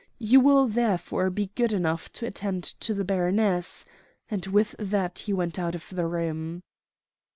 You will therefore be good enough to attend to the baroness,' and with that he went out of the room."